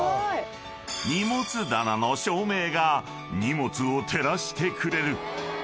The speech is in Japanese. ［荷物棚の照明が荷物を照らしてくれる］